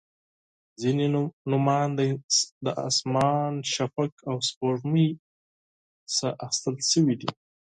• ځینې نومونه د اسمان، شفق، او سپوږمۍ نه اخیستل شوي دي.